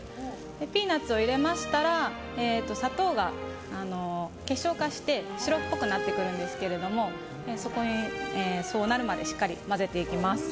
ピーナツを入れましたら砂糖が結晶化して白っぽくなってくるんですけどそうなるまでしっかり混ぜていきます。